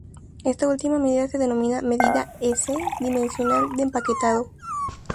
Esta última medida se denomina medida "s"-dimensional de empaquetado.